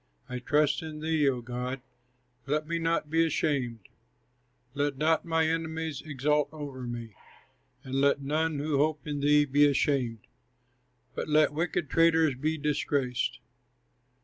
I trust in thee, O God, let me not be ashamed; Let not my enemies exult over me, And let none who hope in thee be ashamed; But let wicked traitors be disgraced.